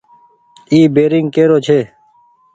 اي بيرينگ ڪي رو ڇي ۔